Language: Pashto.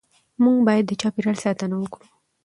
موږ باید د چاپېریال ساتنه وکړو